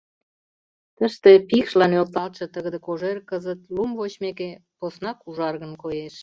Тыште пикшла нӧлталтше тыгыде кожер кызыт, лум вочмеке, поснак ужаргын коеш.